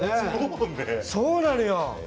そうなのよ。